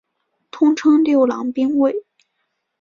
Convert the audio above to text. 通称六郎兵卫。